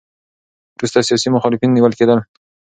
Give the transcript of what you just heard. وروسته سیاسي مخالفین نیول کېدل.